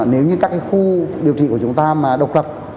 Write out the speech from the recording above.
nếu như các khu điều trị của chúng ta mà độc lập